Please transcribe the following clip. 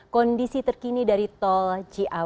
kondisi terkini dari tuhan dan tuhan yang akan berada di jawa barat